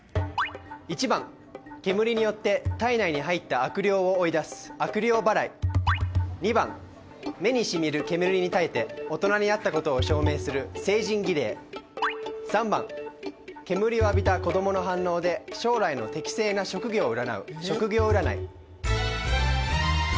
１番煙によって体内に入った悪霊を追い出す２番目にしみる煙に耐えて大人になったことを証明する３番煙を浴びた子供の反応で将来の適性な職業を占う